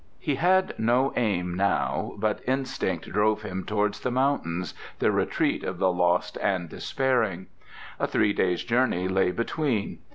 He had no aim now, but instinct drove him towards the mountains, the retreat of the lost and despairing. A three days' journey lay between.